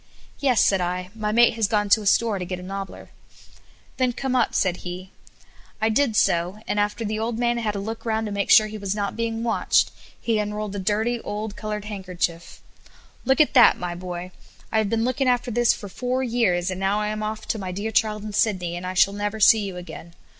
"Yes," said I; "my mate has gone to a store to get a nobbler." "Then come up," said he. I did so, and after the old man had a look round to make sure he was not being watched, he unrolled a dirty, old, colored handkerchief. "Look at that, my boy. I have been looking after this for four years, and now I am off to my dear child in Sydney, and I shall never see you again.